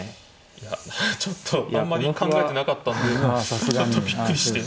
いやちょっとあんまり考えてなかったんでちょっとびっくりして。